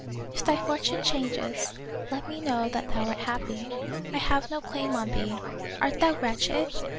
" If thy fortune changes, let me know that thou art happy. I have no claim on thee. Art thou wretched.